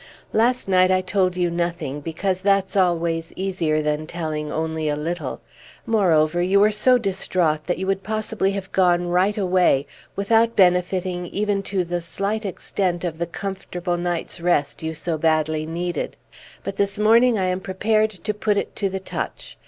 Last night I told you nothing, because that's always easier than telling only a little; moreover, you were so distraught that you would possibly have gone right away without benefiting even to the slight extent of the comfortable night's rest you so badly needed; but this morning I am prepared to put it to the touch.